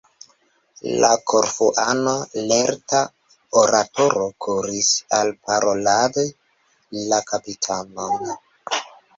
La Korfuano, lerta oratoro, kuris alparoladi la kapitanon.